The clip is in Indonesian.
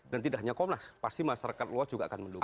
dan tidak hanya komnas pasti masyarakat luas juga akan mendukung